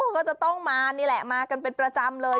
ก็จะต้องมานี่แหละมากันเป็นประจำเลย